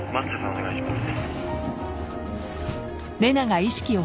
お願いします。